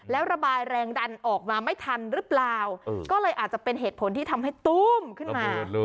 แล้วระบายแรงดันออกมาไม่ทันหรือเปล่าก็เลยอาจจะเป็นเหตุผลที่ทำให้ตู้มขึ้นมา